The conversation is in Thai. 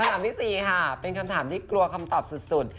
คำถามที่๔ค่ะเป็นคำถามที่กลัวคำตอบสุด